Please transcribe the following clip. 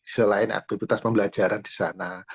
selain aktivitas pembelajaran di sana